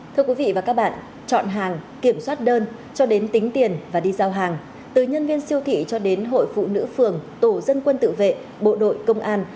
thưa quý vị và các bạn chọn hàng kiểm soát đơn cho đến tính tiền và đi giao hàng từ nhân viên siêu thị cho đến hội phụ nữ phường tổ dân quân tự vệ bộ đội công an